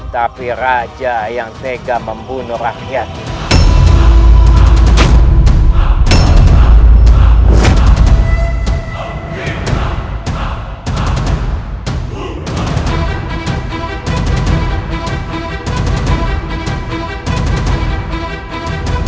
tapi raja yang tega membunuh rakyat